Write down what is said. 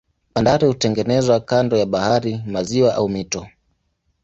Bandari hutengenezwa kando ya bahari, maziwa au mito.